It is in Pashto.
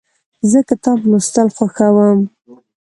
زه کتاب لوستل خوښوم.